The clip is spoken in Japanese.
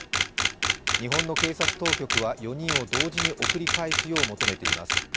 日本の警察当局は４人を同時に送り返すよう求めています。